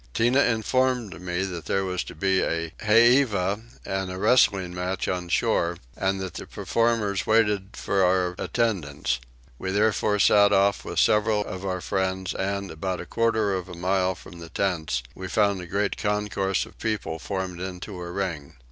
Tinah informed me that there was to be a heiva and a wrestling match on shore, and that the performers waited for our attendance; we therefore set off with several of our friends and, about a quarter of a mile from the tents, we found a great concourse of people formed into a ring.